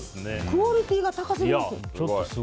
クオリティーが高すぎます。